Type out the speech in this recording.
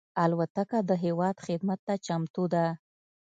الوتکه د هېواد خدمت ته چمتو ده.